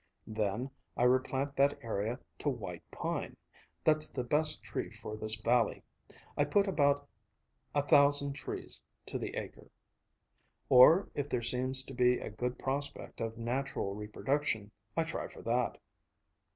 "Then I replant that area to white pine. That's the best tree for this valley. I put about a thousand trees to the acre. Or if there seems to be a good prospect of natural reproduction, I try for that.